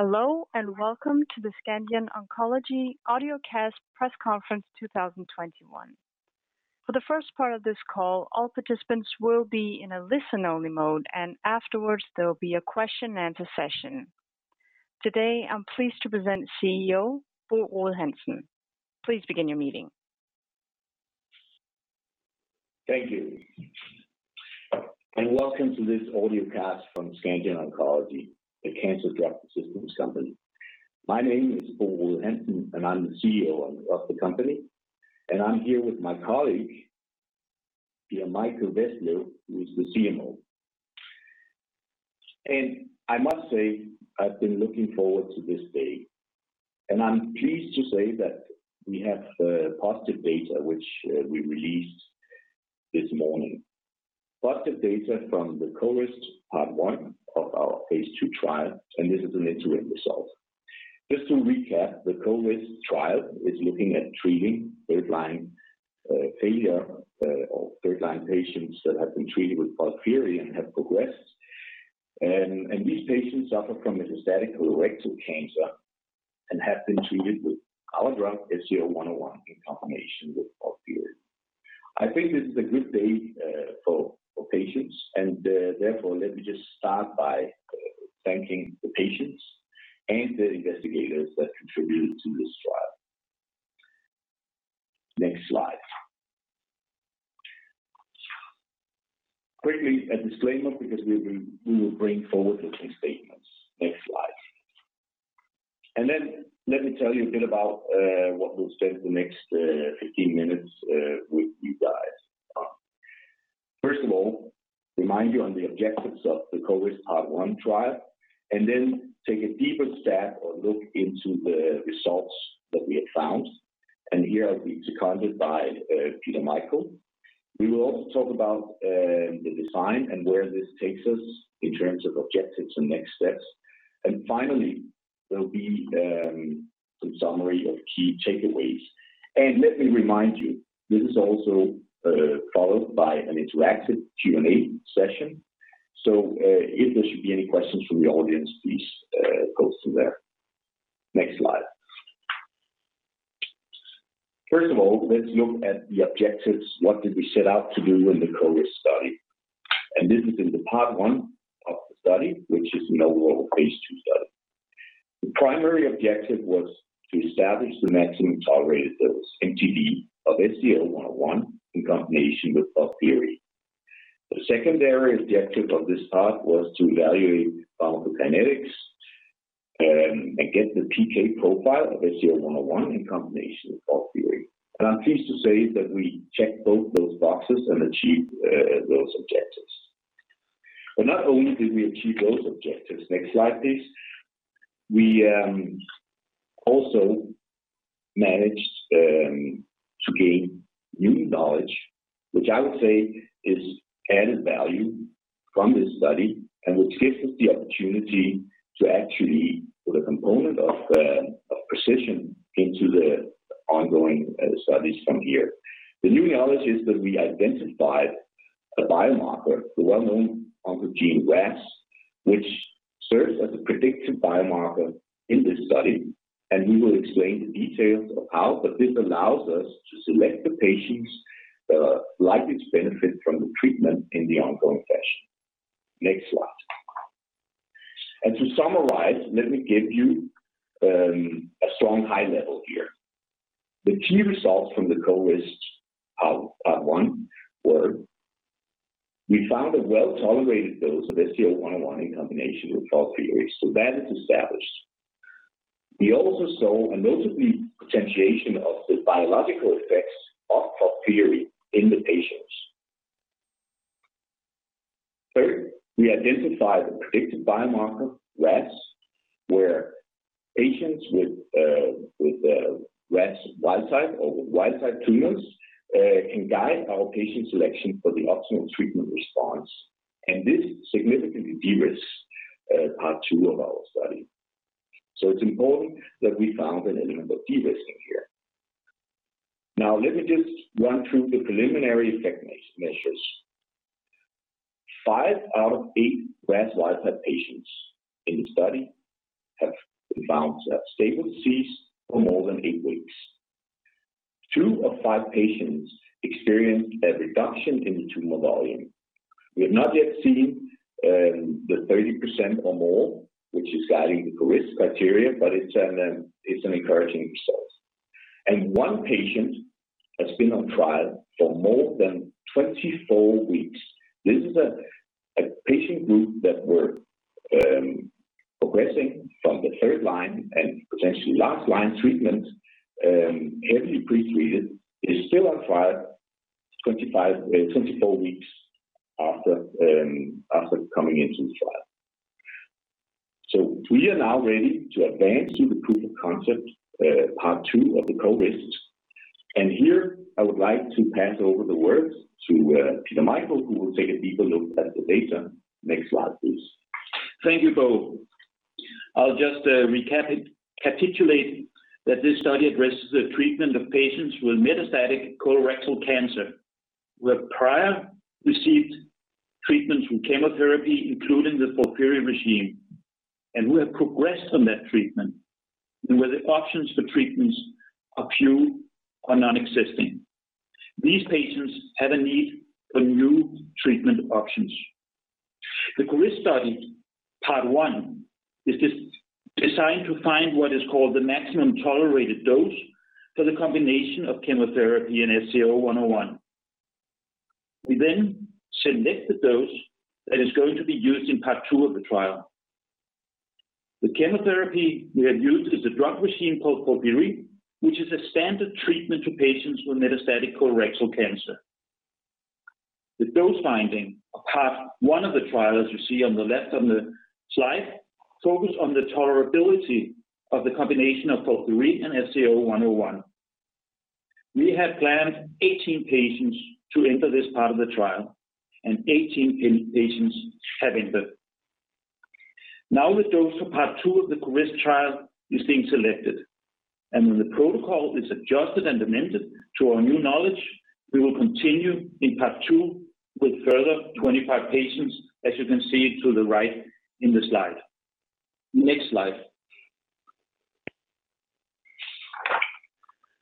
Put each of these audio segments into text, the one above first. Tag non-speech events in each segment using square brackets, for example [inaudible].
Hello, and welcome to the Scandion Oncology Audiocast Press Conference 2021. For the first part of this call, all participants will be in a listen-only mode, and afterwards there'll be a question and answer session. Today, I'm pleased to present CEO Bo Rode Hansen. Please begin your meeting. Thank you. Welcome to this audiocast from Scandion Oncology, a cancer drug resistance company. My name is Bo Rode Hansen, and I'm the CEO of the company, and I'm here with my colleague, Peter Michael Vestlev, who is the CMO. I must say, I've been looking forward to this day, and I'm pleased to say that we have the positive data which we released this morning. Positive data from the CORIST part 1 of our phase II trial. This is an interim result. To recap, the CORIST trial is looking at treating baseline data of baseline patients that have been treated with FOLFIRI and have progressed. These patients suffer from metastatic colorectal cancer and have been treated with our drug, SCO-101, in combination with FOLFIRI. I think this is a good day for patients, and therefore, let me just start by thanking the patients and the investigators that contributed to this trial. Next slide. Quickly, a disclaimer because we will bring forward looking statements. Next slide. Then let me tell you a bit about what we'll spend the next 15 minutes with you guys on. First of all, remind you on the objectives of the CORIST part 1 trial, and then take a deeper stab or look into the results that we have found. Here I'll be seconded by Peter Michael. We will also talk about the design and where this takes us in terms of objectives and next steps. Finally, there'll be some summary of key takeaways. Let me remind you, this is also followed by an interactive Q&A session. If there should be any questions from the audience, please go from there. Next slide. First of all, let's look at the objectives. What did we set out to do in the CORIST study? This is in the part 1 of the study, which is an overall phase II study. The primary objective was to establish the maximum tolerated dose, MTD, of SCO-101 in combination with FOLFIRI. The secondary objective of this part was to evaluate pharmacokinetics and get the PK profile of SCO-101 in combination with FOLFIRI. I'm pleased to say that we checked both those boxes and achieved those objectives. Not only did we achieve those objectives, next slide please, we also managed to gain new knowledge, which I would say is added value from this study, and which gives us the opportunity to actually put a component of precision into the ongoing studies from here. The new knowledge is that we identified a biomarker, the well-known oncogene RAS, which serves as a predictive biomarker in this study, and we will explain the details of how, but this allows us to select the patients that are likely to benefit from the treatment in the ongoing fashion. Next slide. To summarize, let me give you a strong high level here. The key results from the CORIST part 1 were we found a well-tolerated dose of SCO-101 in combination with FOLFIRI, so that is established. We also saw a notable potentiation of the biological effects of FOLFIRI in the patients. Third, we identified the predictive biomarker RAS, where patients with RAS wild-type or wild-type tumors can guide our patient selection for the optimal treatment response. This significantly de-risks part 2 of our study. It's important that we found that and then we de-risked in here. Let me just run through the preliminary effectiveness measures. Five out of eight RAS wild-type patients in the study have bounced up stable disease for more than eight weeks. Two of five patients experienced a reduction in the tumor volume. We have not yet seen the 30% or more, which is guiding the risk criteria, but it's an encouraging result. One patient has been on trial for more than 24 weeks. This is a patient group that were progressing from the third line and potentially last line treatment, heavily pretreated, is still on trial 24 weeks after coming into the trial. We are now ready to advance to the proof of concept part 2 of the CORIST. Here I would like to hand over the words to Peter Michael who will take a deeper look at the data. Next slide, please. Thank you, Bo. I'll just recapitulate that this study addresses the treatment of patients with metastatic colorectal cancer who have prior received treatment with chemotherapy, including the FOLFIRI regimen, and who have progressed on that treatment, and where the options for treatments are few or non-existent. These patients had a need for new treatment options. The CORIST study, part 1, is designed to find what is called the maximum tolerated dose for the combination of chemotherapy and SCO-101. We select the dose that is going to be used in part 2 of the trial. The chemotherapy we have used is a drug regimen called FOLFIRI, which is a standard treatment for patients with metastatic colorectal cancer. The dose finding of part 1 of the trial, as you see on the left on the slide, focused on the tolerability of the combination of FOLFIRI and SCO-101. We had planned 18 patients to enter this part of the trial. 18 patients have entered. Now the dose for part 2 of the CORIST trial is being selected. When the protocol is adjusted and amended to our new knowledge, we will continue in part 2 with a further 25 patients, as you can see to the right in the slide. Next slide.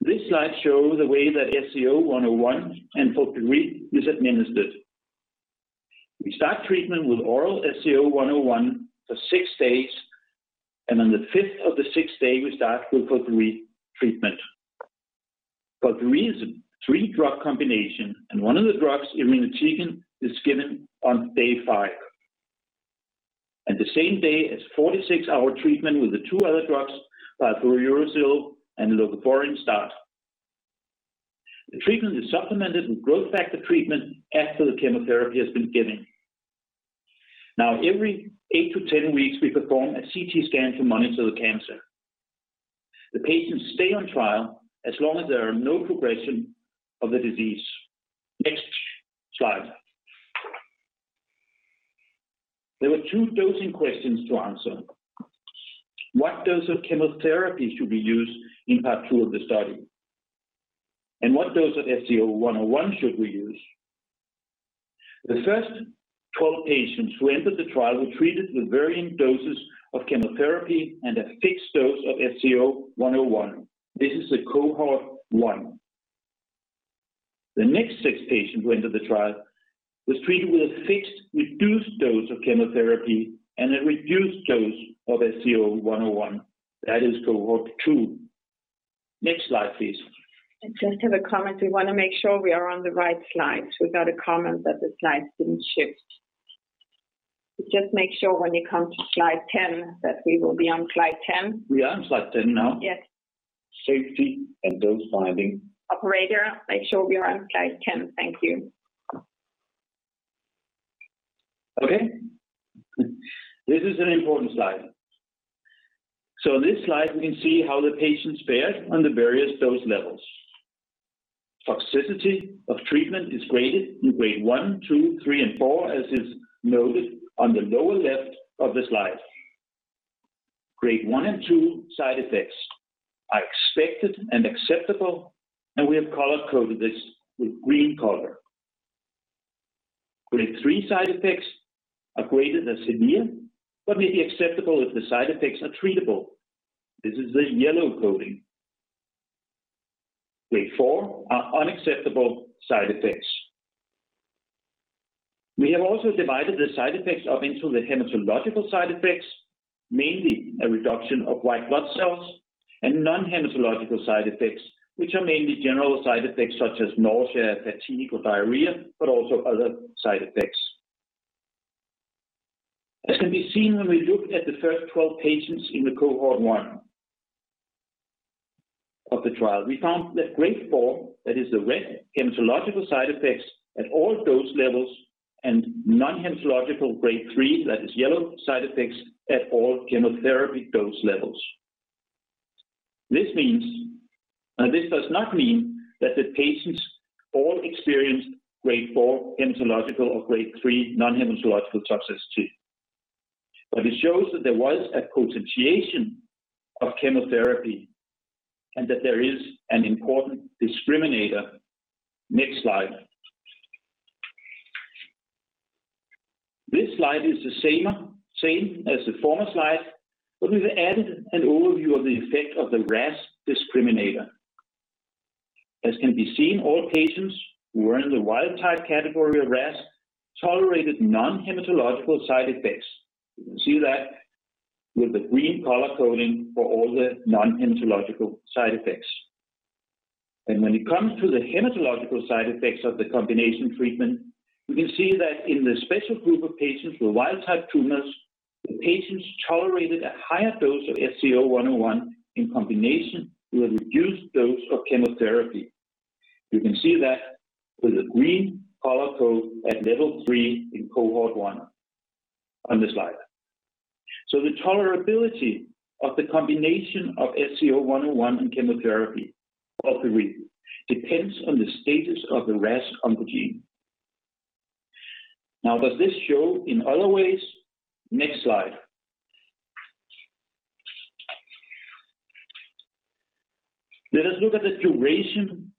This slide shows the way that SCO-101 and FOLFIRI is administered. We start treatment with oral SCO-101 for six days. On the fifth or the sixth day, we start the FOLFIRI treatment. FOLFIRI is a three-drug combination. One of the drugs, irinotecan, is given on day five. On the same day as 46-hour treatment with the two other drugs, fluorouracil and levoleucovorin start. The treatment is supplemented with growth factor treatment after the chemotherapy has been given. Now, every 8 to 10 weeks, we perform a CT scan to monitor the cancer. The patients stay on trial as long as there are no progression of the disease. Next slide. There were two dosing questions to answer. What dose of chemotherapy should we use in part 2 of the study, and what dose of SCO-101 should we use? The first 12 patients who entered the trial were treated with varying doses of chemotherapy and a fixed dose of SCO-101. This is the cohort 1. The next six patients who entered the trial were treated with a fixed reduced dose of chemotherapy and a reduced dose of SCO-101. That is cohort 2. Next slide, please. Just in the comments, we want to make sure we are on the right slide. We've got a comment that the slides didn't shift. Just make sure when it comes to slide 10 that we will be on slide 10. We are on slide 10 now. Yes. Safety and dose finding. Operator, make sure we are on slide 10. Thank you. This is an important slide. On this slide, we can see how the patients fared on the various dose levels. Toxicity of treatment is graded in grade 1, 2, 3, and 4, as is noted on the lower left of the slide. Grade 1 and 2 side effects are expected and acceptable, and we have color-coded this with green color. Grade 3 side effects are graded as severe but may be acceptable if the side effects are treatable. This is the yellow coding. Grade 4 are unacceptable side effects. We have also divided the side effects up into the hematological side effects, mainly a reduction of white blood cells, and non-hematological side effects, which are mainly general side effects such as nausea, fatigue, or diarrhea, but also other side effects. As can be seen when we looked at the first 12 patients in the cohort 1 of the trial, we found that grade 4, that is the red hematological side effects at all dose levels, and non-hematological grade 3, that is yellow side effects, at all chemotherapy dose levels. Now, this does not mean that the patients all experienced grade 4 hematological or grade 3 non-hematological toxicity, but it shows that there was a potentiation of chemotherapy and that there is an important discriminator. Next slide. This slide is the same as the former slide, but we've added an overview of the effect of the RAS discriminator. As can be seen, all patients who are in the wild-type category of RAS tolerated non-hematological side effects. You can see that with the green color coding for all the non-hematological side effects. When it comes to the hematological side effects of the combination treatment, we can see that in the special group of patients with wild-type tumors, the patients tolerated a higher dose of SCO-101 in combination with a reduced dose of chemotherapy. You can see that with the green color code at level three in cohort 1 on this slide. The tolerability of the combination of SCO-101 and chemotherapy, FOLFIRI, depends on the status of the RAS oncogene. Now, does this show in other ways? Next slide. Let us look at the duration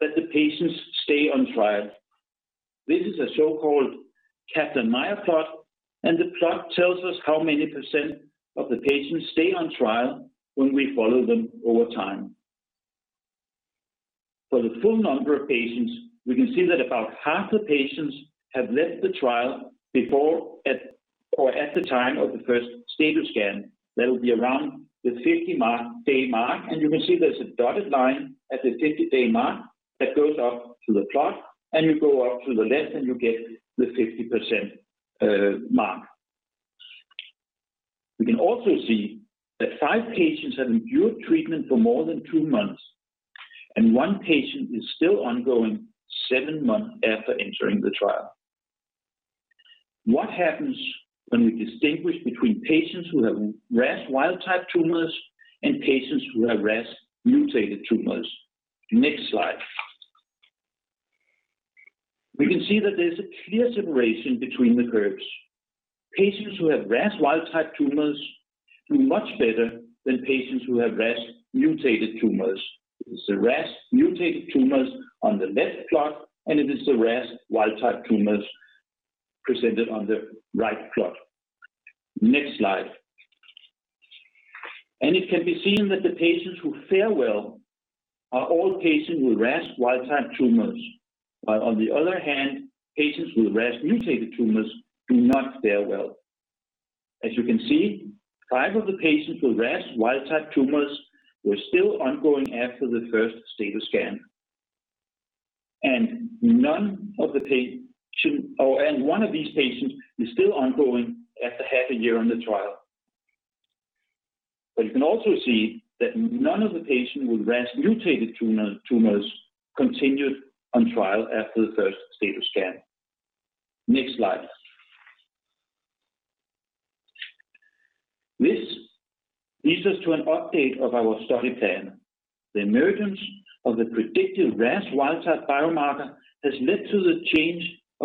that the patients stay on trial. This is a so-called Kaplan-Meier plot, and the plot tells us how many percent of the patients stay on trial when we follow them over time. For the full number of patients, we can see that about half the patients have left the trial before or at the time of the first stable scan. That will be around the 50-day mark, and you can see there's a dotted line at the 50-day mark that goes up to the plot, and you go off to the left and you get the 50% mark. We can also see that five patients have endured treatment for more than two months, and one patient is still ongoing seven months after entering the trial. What happens when we distinguish between patients who have RAS wild-type tumors and patients who have RAS mutated tumors? Next slide. We can see that there's a clear separation between the curves. Patients who have RAS wild-type tumors do much better than patients who have RAS mutated tumors. It is the RAS mutated tumors on the left plot, it is the RAS wild-type tumors presented on the right plot. Next slide. It can be seen that the patients who fare well are all patients with RAS wild-type tumors, while on the other hand, patients with RAS mutated tumors do not fare well. As you can see, five of the patients with RAS wild-type tumors were still ongoing after the first stable scan. One of these patients is still ongoing after half a year on the trial. You can also see that none of the patients with RAS mutated tumors continued on trial after the first stable scan. Next slide. This leads us to an update of our study plan.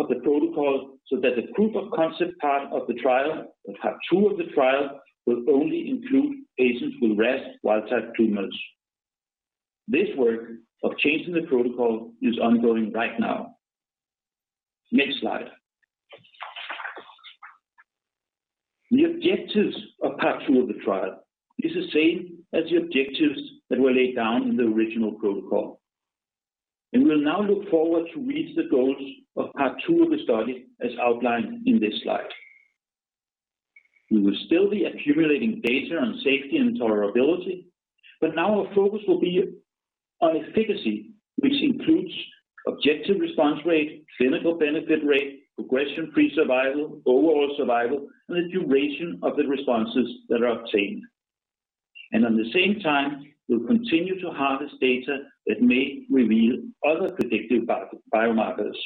The emergence of the predictive RAS wild-type biomarker has led to the change of the protocol so that the proof of concept part of the trial of Part 2 of the trial will only include patients with RAS wild-type tumors. This work of changing the protocol is ongoing right now. Next slide. The objectives of Part 2 of the trial is the same as the objectives that were laid down in the original protocol. We'll now look forward to reach the goals of Part 2 of the study as outlined in this slide. We will still be accumulating data on safety and tolerability, but now our focus will be on efficacy, which includes objective response rate, clinical benefit rate, progression-free survival, overall survival, and the duration of the responses that are obtained. At the same time, we'll continue to harvest data that may reveal other predictive biomarkers.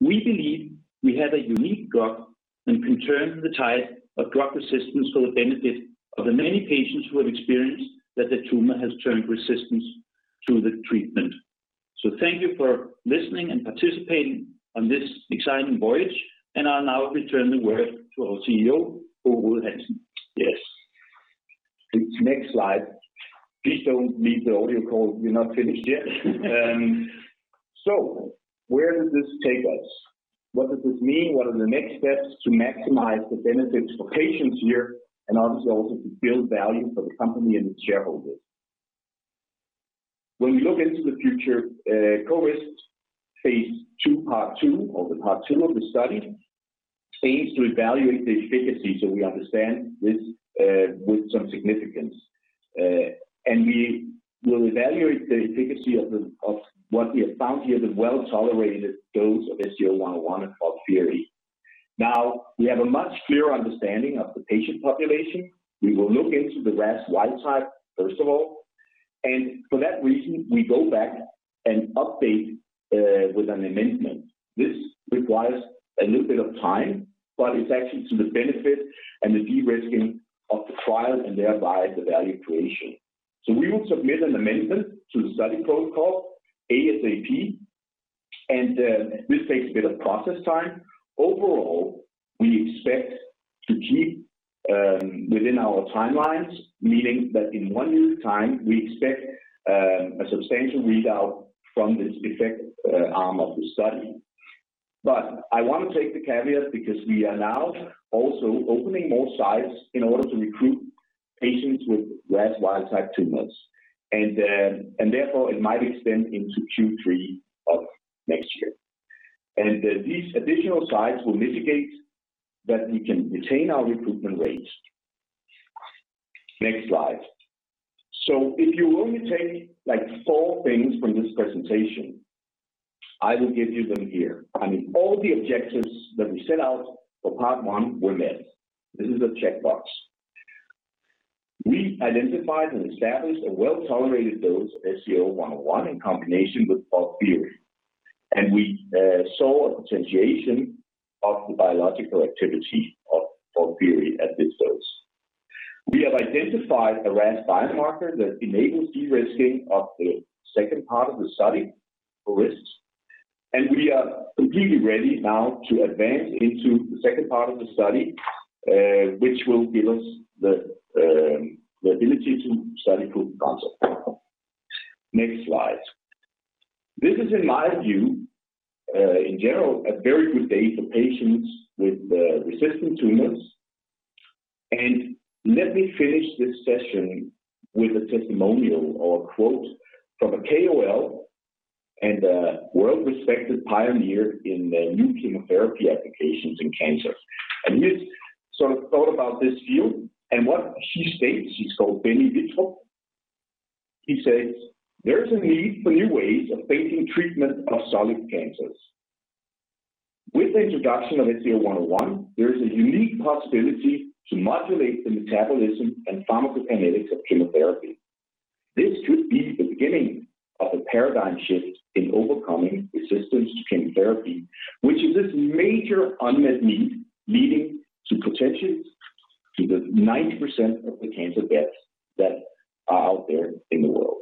We believe we have a unique drug and can turn the tide of drug resistance for the benefit of the many patients who have experienced that the tumor has turned resistant to the treatment. Thank you for listening and participating on this exciting voyage, and I'll now return the word to our CEO, Bo Rode Hansen. Yes. Next slide. Please don't leave the audio call, we're not finished yet. Where does this take us? What does it mean? What are the next steps to maximize the benefits for patients here, and obviously also to build value for the company and its shareholders? When we look into the future, CORIST phase II, Part 2 or the Part 2 of the study aims to evaluate the efficacy, so we understand this with some significance. We will evaluate the efficacy of what we have found here, the well-tolerated dose of SCO-101 and FOLFIRI. We have a much clearer understanding of the patient population. We will look into the RAS wild-type, first of all, and for that reason, we go back and update with an amendment. This requires a little bit of time, but it's actually to the benefit and the de-risking of the trial, and thereby the value creation. We will submit an amendment to the study protocol ASAP, and this takes a bit of process time. Overall, we expect to keep within our timelines, meaning that in one year's time, we expect a substantial readout from this effect arm of the study. I want to take the caveat because we are now also opening more sites in order to recruit patients with RAS wild-type tumors, and therefore it might extend into Q3 of next year. These additional sites will mitigate that we can retain our recruitment rates. Next slide. If you only take four things from this presentation, I will give you them here. All the objectives that we set out for Part 1 were met. This is a checkbox. We identified and established a well-tolerated dose of SCO-101 in combination with FOLFIRI, and we saw a potentiation of the biological activity of FOLFIRI at this dose. We have identified a RAS biomarker that enables de-risking of the second part of the study, CORIST. We are completely ready now to advance into the second part of the study, which will give us the ability to study proof of concept. Next slide. This is, in my view, in general, a very good day for patients with resistant tumors. Let me finish this session with a testimonial or a quote from a KOL and a well-respected pioneer in new chemotherapy applications in cancer. He's thought about this view and what he states, he's called. [audio distortion] He says, "There's a need for new ways of thinking treatment of solid cancers. With the introduction of SCO-101, there is a unique possibility to modulate the metabolism and pharmacokinetics of chemotherapy. This could be the beginning of a paradigm shift in overcoming resistance to chemotherapy, which is this major unmet need, leading to potential to the 90% of the cancer deaths that are out there in the world.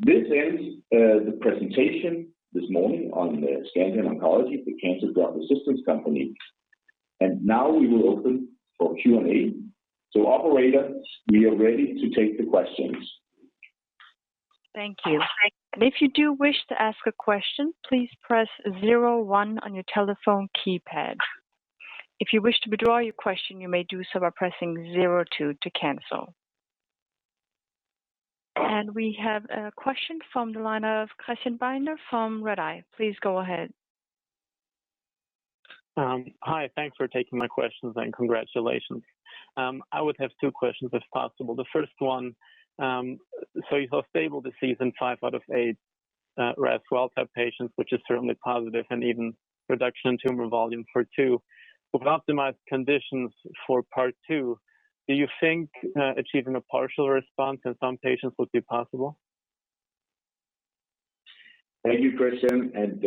This ends the presentation this morning on Scandion Oncology, the cancer drug resistance company. Now we will open for Q&A. Operator, we are ready to take the questions. Thank you. If you do wish to ask a question, please press zero one on your telephone keypad. If you wish to withdraw your question, you may do so by pressing zero two to cancel. We have a question from the line of Christian Binder from Redeye. Please go ahead. Hi. Thanks for taking my questions and congratulations. I would have two questions, if possible. The first one, you saw stable disease in five out of eight RAS wild-type patients, which is certainly positive, and even reduction in tumor volume for two. With optimized conditions for part 2, do you think achieving a partial response in some patients would be possible? Thank you, Christian, and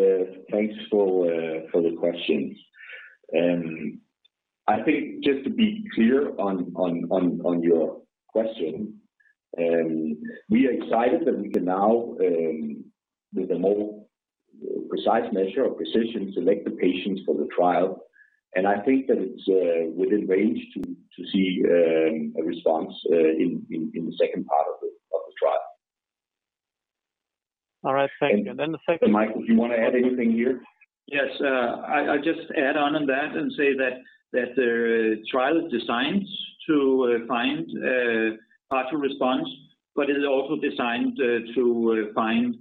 thanks for the questions. I think just to be clear on your question, we are excited that we can now, with a more precise measure of precision, select the patients for the trial, and I think that it's within range to see a response in the second part of the trial. All right. Thank you. The second- Michael, do you want to add anything here? Yes. I just add on to that and say that the trial is designed to find partial response, but it is also designed to find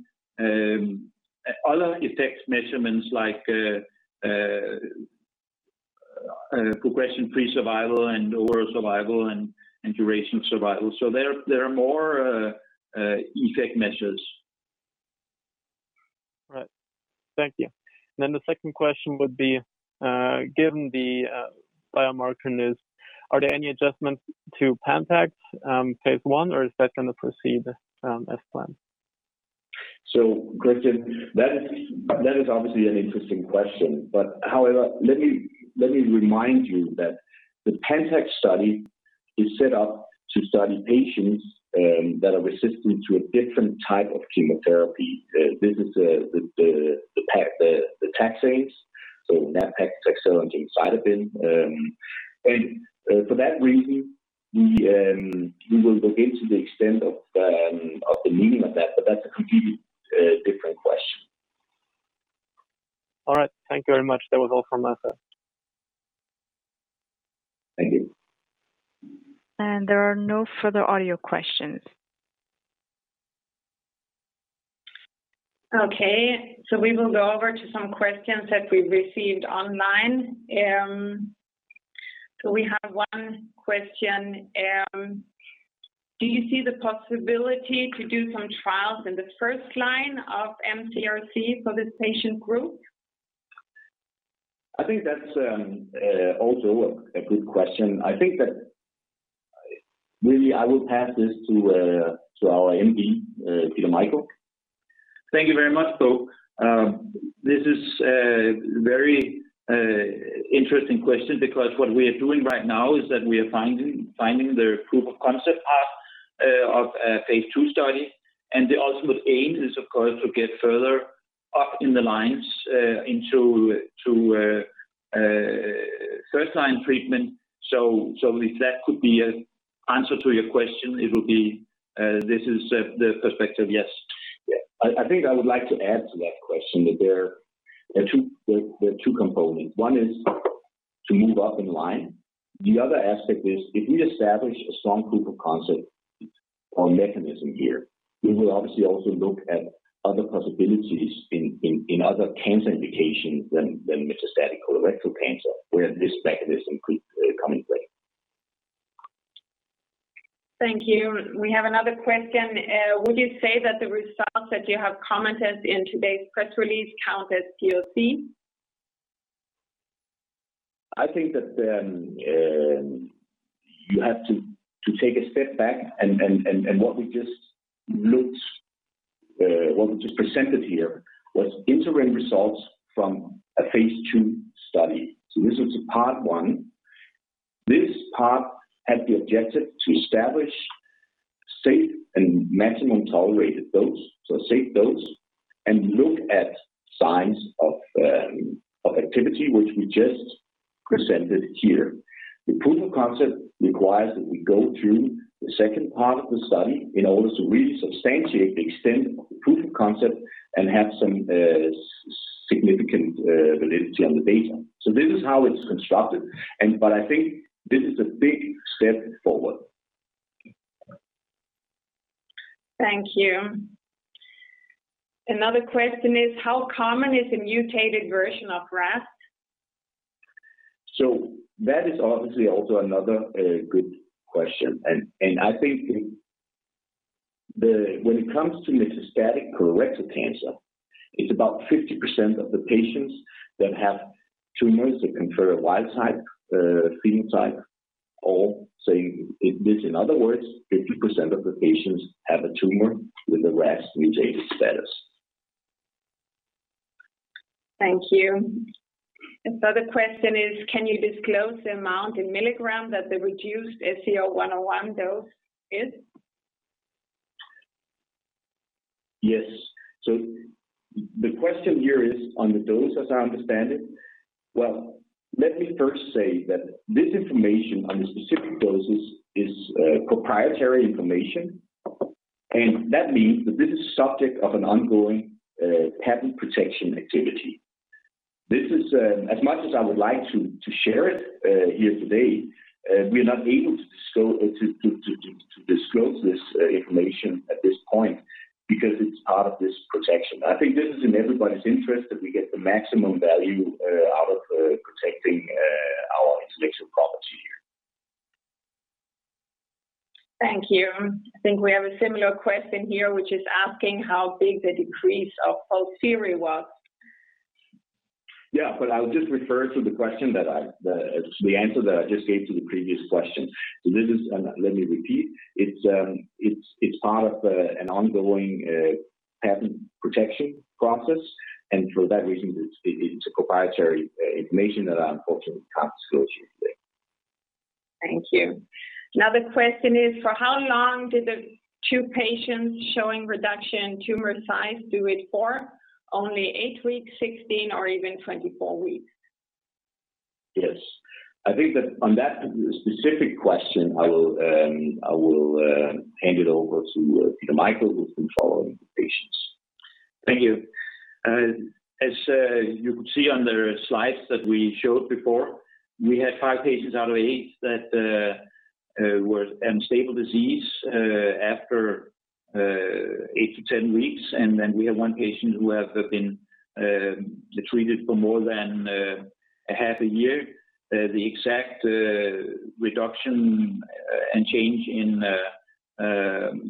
other effect measurements like progression-free survival, and overall survival, and duration survival. There are more effect measures. Right. Thank you. The second question would be, given the biomarker news, are there any adjustments to PANTAX phase I, or is that going to proceed as planned? Christian, that is obviously an interesting question. However, let me remind you that the PANTAX study is set up to study patients that are resistant to a different type of chemotherapy. This is the taxanes, so nab-paclitaxel and docetaxel. For that reason, we will look into the extent of the meaning of that, but that's a completely different question. All right. Thank you very much. That was all from us. Thank you. There are no further audio questions. Okay, we will go over to some questions that we received online. We have one question. Do you see the possibility to do some trials in the first line of mCRC for this patient group? I think that's also a good question. I think that really I would pass this to our MD, to Michael. Thank you very much, Bo. This is a very interesting question because what we are doing right now is that we are finding the proof of concept part of phase II study, and the ultimate aim is, of course, to get further up in the lines into first-line treatment. If that could be an answer to your question, it will be this is the perspective, yes. I think I would like to add to that question that there are two components. One is to move up in line. The other aspect is if we establish a strong proof of concept or mechanism here, we will obviously also look at other possibilities in other cancer indications than metastatic colorectal cancer where this mechanism could come into play. Thank you. We have another question. Would you say that the results that you have commented in today's press release count as POC? I think that you have to take a step back, and what we just presented here was interim results from a phase II study. This part had the objective to establish safe and maximum tolerated dose, so safe dose, and look at signs of activity, which we just presented here. The proof of concept requires that we go through the second part of the study in order to really substantiate the extent of the proof of concept and have some significant validity on the data. This is how it's constructed. I think this is a big step forward. Thank you. Another question is, how common is the mutated version of RAS? That is obviously also another good question. I think when it comes to metastatic colorectal cancer, it's about 50% of the patients that have tumors that confer a wild type phenotype, or say this in other words, 50% of the patients have a tumor with a RAS mutated status. Thank you. Another question is, can you disclose the amount in milligrams that the reduced SCO-101 dose is? Yes. The question here is on the dose, as I understand it. Well, let me first say that this information on the specific doses is proprietary information, and that means that this is subject of an ongoing patent protection activity. As much as I would like to share it here today, we are not able to disclose this information at this point because it's part of this protection. I think this is in everybody's interest that we get the maximum value out of protecting our intellectual property here. Thank you. I think we have a similar question here, which is asking how big the decrease of FOLFIRI was. I'll just refer to the answer that I just gave to the previous question. Let me repeat, it's part of an ongoing patent protection process, and for that reason, it's proprietary information that I unfortunately can't disclose here today. Thank you. Another question is, for how long did the two patients showing reduction in tumor size do it for? Only eight weeks, 16, or even 24 weeks? Yes. I think that on that specific question, I will hand it over to Peter Michael, who has been following the patients. Thank you. As you could see on the slides that we showed before, we had five patients out of eight that were stable disease after 8-10 weeks, and then we have one patient who has been treated for more than a half a year. The exact reduction and change in the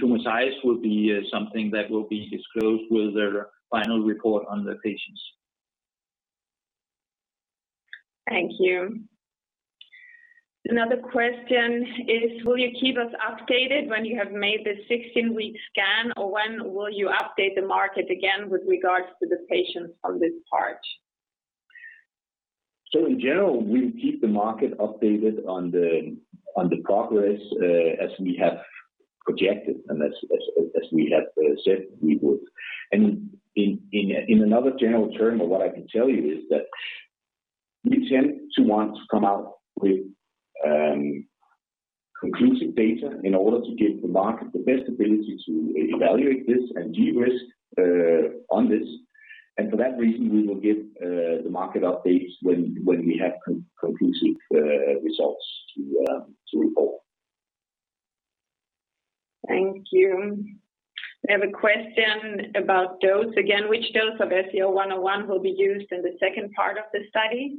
tumor size will be something that will be disclosed with the final report on the patients. Thank you. Another question is, will you keep us updated when you have made the 16-week scan, or when will you update the market again with regards to the patients on this part? In general, we'll keep the market updated on the progress as we have projected and as we have said we would. In another general term, what I can tell you is that we tend to want to come out with conclusive data in order to give the market the best ability to evaluate this and de-risk on this. For that reason, we will give the market updates when we have conclusive results to report. Thank you. We have a question about dose again. Which dose of SCO-101 will be used in the second part of the study?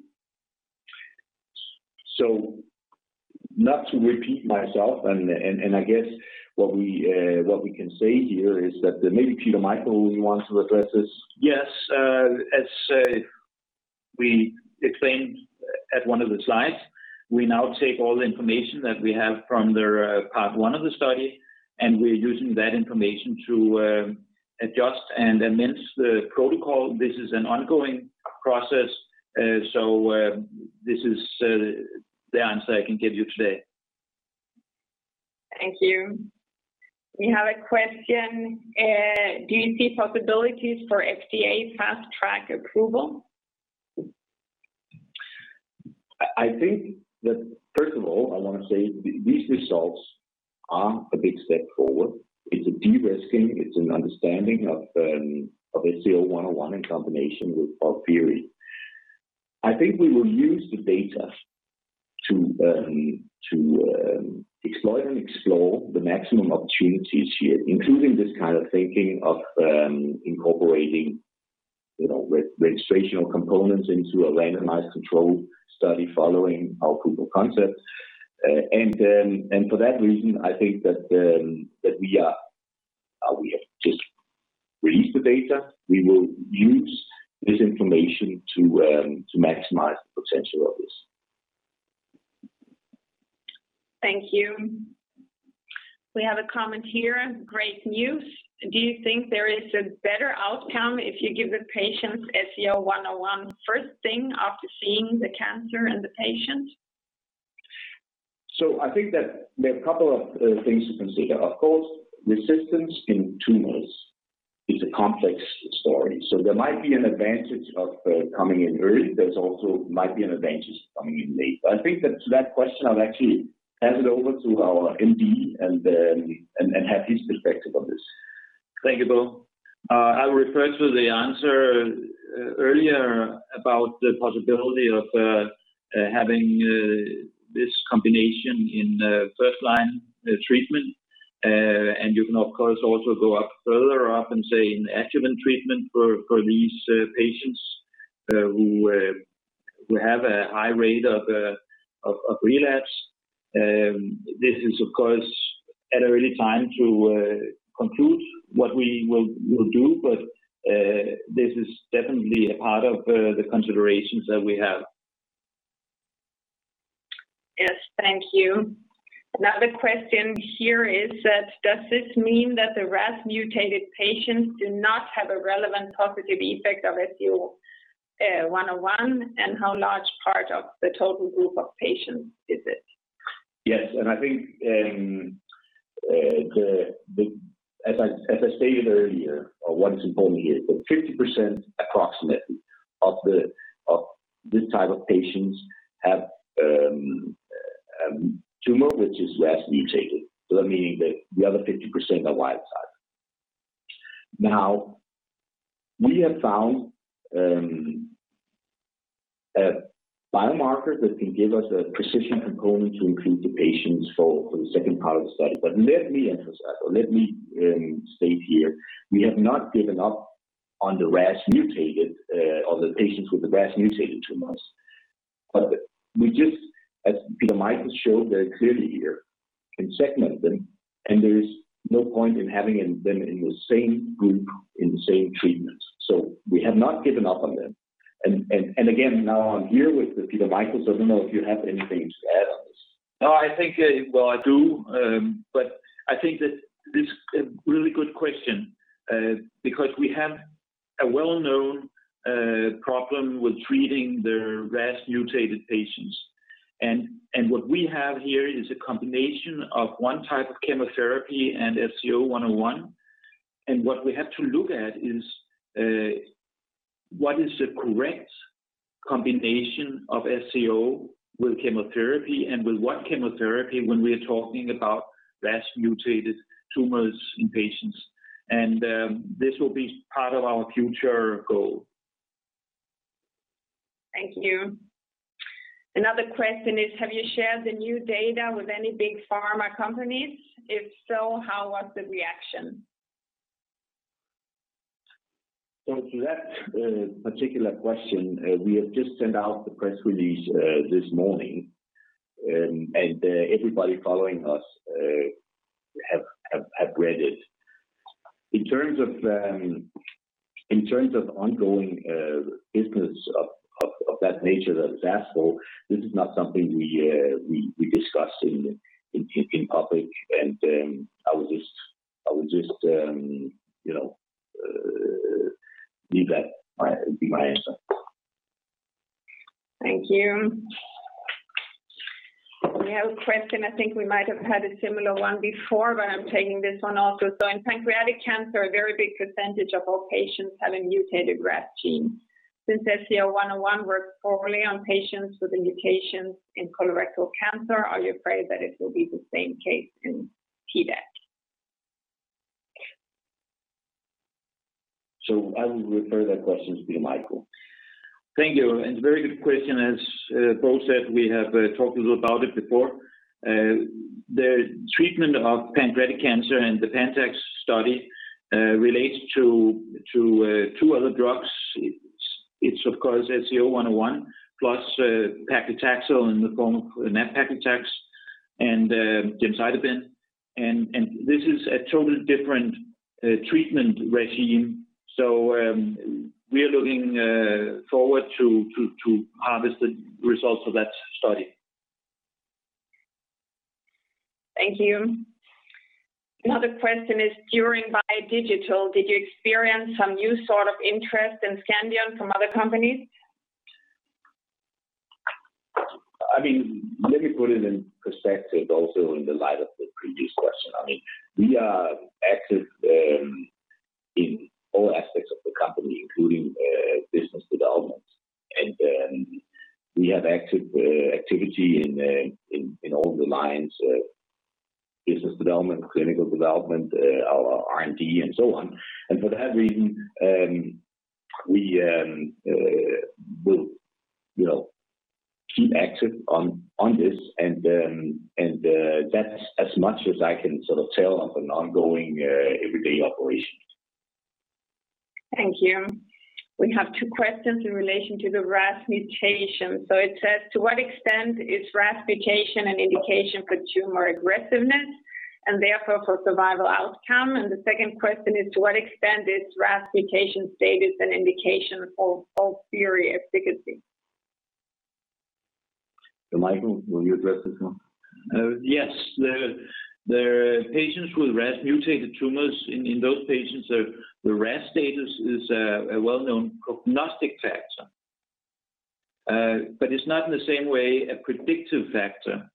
Not to repeat myself, and I guess what we can say here is that maybe Peter Michael wants to address this. Yes. As we explained at one of the slides, we now take all the information that we have from the part 1 of the study, and we're using that information to adjust and amend the protocol. This is an ongoing process, so this is the answer I can give you today. Thank you. We have a question. Do you see possibilities for FDA fast track approval? I think that, first of all, I want to say these results are a big step forward. It's a de-risking. It's an understanding of SCO-101 in combination with FOLFIRI. I think we will use the data to exploit and explore the maximum opportunities here, including this kind of thinking of incorporating registrational components into a randomized control study following our proof of concept. For that reason, I think that we have just released the data. We will use this information to maximize the potential of this. Thank you. We have a comment here. Great news. Do you think there is a better outcome if you give the patients SCO-101 first thing after seeing the cancer in the patient? I think that there are a couple of things to consider. Of course, resistance in tumors is a complex story. There might be an advantage of coming in early. There also might be an advantage of coming in late. I think that to that question, I'll actually hand it over to our MD and have his perspective on this. Thank you, Bo. I'll refer to the answer earlier about the possibility of having this combination in the first-line treatment, and you can, of course, also go up further up and say in adjuvant treatment for these patients who have a high rate of relapse. This is, of course, an early time to conclude what we will do, but this is definitely part of the considerations that we have. Yes. Thank you. Another question here is that does this mean that the RAS-mutated patients do not have a relevant positive effect of SCO-101, and how large part of the total group of patients is it? Yes. I think as I stated earlier, or once upon a year, but 50% approximately of this type of patients have tumor which is RAS mutated. That means that the other 50% are wild type. We have found a biomarker that can give us a precision component to include the patients for the second part of the study. Let me emphasize, or let me state here, we have not given up on the RAS mutated or the patients with the RAS mutated tumors, but we just, as Peter Michael showed very clearly here, can segment them, and there's no point in having them in the same group in the same treatment. We have not given up on them. Again, now I'm here with Peter Michael, so I don't know if you have anything to add on this. I think that it's a really good question because we have a well-known problem with treating the RAS mutated patients. What we have here is a combination of one type of chemotherapy and SCO-101. What we have to look at is what is the correct combination of SCO with chemotherapy and with what chemotherapy when we're talking about RAS-mutated tumors in patients. This will be part of our future goal. Thank you. Another question is, have you shared the new data with any big pharma companies? If so, how was the reaction? To that particular question, we have just sent out the press release this morning, and everybody following us have read it. In terms of ongoing business of that nature, that's, [audio distortion] this is not something we discuss in keeping public, and I would just leave that as my answer. Thank you. We have a question. I think we might have had a similar one before, I'm taking this one also. In pancreatic cancer, a very big percentage of all patients have a mutated RAS gene. Since SCO-101 works poorly on patients with mutations in colorectal cancer, are you afraid that it will be the same case in PDAC? I will refer that question to Peter Michael. Thank you, and very good question. As Bo said, we have talked a little about it before. The treatment of pancreatic cancer in the PANTAX study relates to two other drugs. It's of course SCO-101 plus paclitaxel in the form of nab-paclitaxel and gemcitabine. This is a totally different treatment regimen. We are looking forward to harvest the results of that study. Thank you. Another question is, during BIO Digital, did you experience some new sort of interest in Scandion from other companies? Let me put it in perspective also in the light of the previous question. We are active in all aspects of the company, including business development. We have active activity in all the lines of business development, clinical development, our R&D, and so on. For that reason, we will keep active on this and that's as much as I can sort of tell on an ongoing everyday operation. Thank you. We have two questions in relation to the RAS mutation. It says, to what extent is RAS mutation an indication for tumor aggressiveness and therefore for survival outcome? The second question is, to what extent is RAS mutation status an indication of superior efficacy? Peter Michael, will you address this one? Yes. The patients with RAS mutated tumors, in those patients, the RAS status is a well-known prognostic factor. It's not in the same way a predictive factor.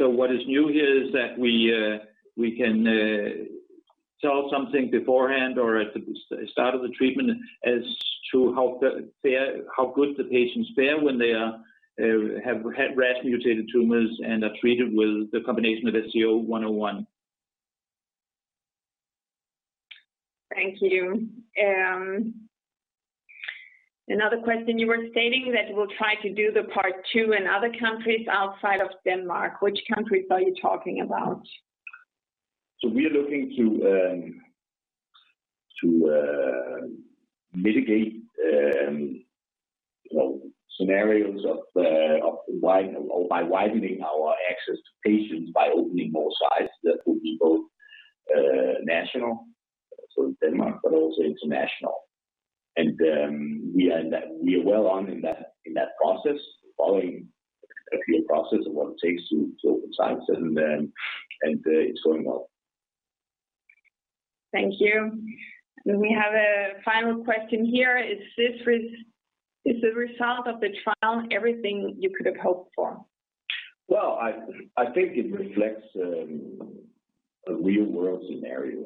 What is new here is that we can tell something beforehand or at the start of the treatment as to how good the patients fare when they have had RAS mutated tumors and are treated with the combination of SCO-101. Thank you. Another question. You were stating that you will try to do the part 2 in other countries outside of Denmark. Which countries are you talking about? We are looking to mitigate scenarios by widening our access to patients, by opening more sites that will be both national, so Denmark, but also international. We are well on in that process, following a clear process of what it takes to open sites and it's going well. Thank you. We have a final question here. Is the result of the trial everything you could have hoped for? Well, I think it reflects a real-world scenario.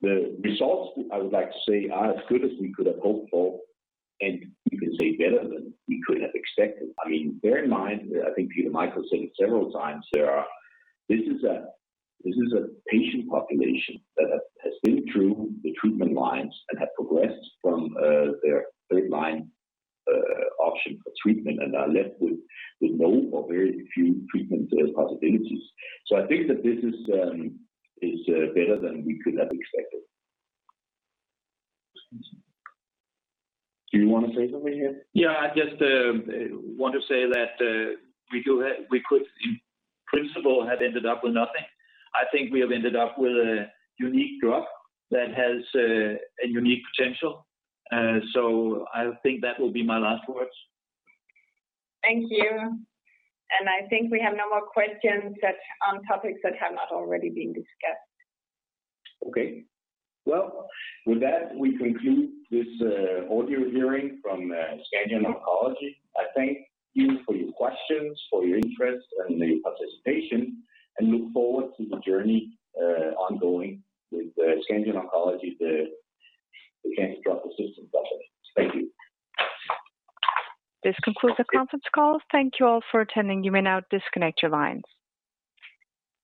The results, I would like to say, are as good as we could have hoped for, and you can say better than we could have expected. Bear in mind, I think Peter Michael Vestlev said it several times there, this is a patient population that has been through the treatment lines and have progressed from their third line option for treatment and are left with no or very few treatment possibilities. I think that this is better than we could have expected. Do you want to say something here? I just want to say that we could in principle have ended up with nothing. I think we have ended up with a unique drug that has a unique potential. I think that will be my last words. Thank you. I think we have no more questions on topics that have not already been discussed. Okay. Well, with that, we conclude this audio hearing from Scandion Oncology. I thank you for your questions, for your interest, and your participation, and look forward to the journey ongoing with Scandion Oncology, the cancer drug development. Thank you. This concludes the conference call. Thank you all for attending. You may now disconnect your lines.